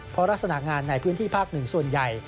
เพราะลักษณะงานในพื้นที่ภาคหนึ่งส่วนใหญ่